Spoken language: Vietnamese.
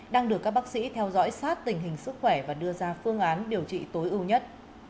đang được các bác sĩ theo dõi sát tình hình sức khỏe và đưa ra phương án điều trị tối ưu nhất